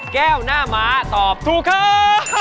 แก้วหน้าม้าตอบถูกครับ